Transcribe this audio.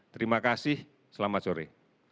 terima kasih selamat sore